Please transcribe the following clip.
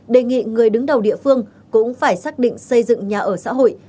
đề nghị người đứng đầu địa phương cũng phải xác định xây dựng nhà ở xã hội